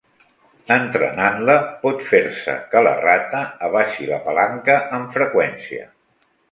Entrenant-la pot fer-se que la rata abaixi la palanca amb freqüència.